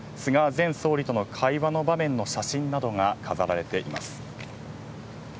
前総理との会話の場面の写真などが飾られています。